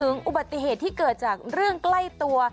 อุบัติเหตุที่เกิดจากเรื่องใกล้ตัว